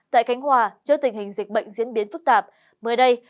tại cánh hòa trước tình hình dịch bệnh diễn biến phức tạp mới đây